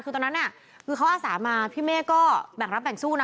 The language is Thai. คือตอนนั้นน่ะคือเขาอาสามาพี่เมฆก็แบ่งรับแบ่งสู้นะ